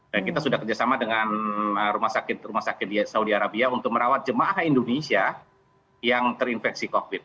dan kita sudah kerjasama dengan rumah sakit rumah sakit di saudi arabia untuk merawat jemaah indonesia yang terinfeksi covid